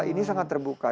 ini sangat terbuka